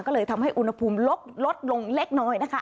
ก็เลยทำให้อุณหภูมิลดลงเล็กน้อยนะคะ